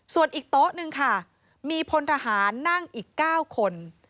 ส่วนอีกโต๊ะหนึ่งค่ะมีพลทหารนั่งอีก๙คน